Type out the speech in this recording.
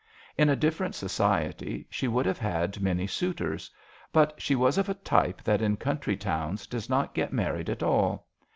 In a different society she would have had many suitors. But she was ot a type that in country towns does not get married at all.